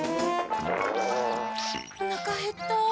おなかへった。